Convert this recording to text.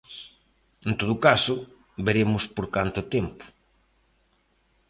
En todo caso, veremos por canto tempo.